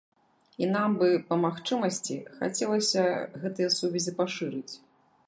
І нам бы па магчымасці хацелася б гэтыя сувязі пашырыць.